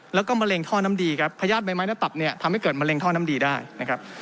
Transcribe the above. แล้วก็มะเร็งท่อน้ำดีครับพญาติใบไม้หน้าตับเนี่ยทำให้เกิดมะเร็งท่อน้ำดีได้นะครับ